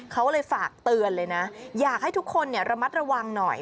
เขาเลยฝากเตือนเลยนะอยากให้ทุกคนระมัดระวังหน่อย